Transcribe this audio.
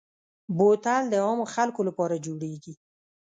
بوتل د عامو خلکو لپاره جوړېږي.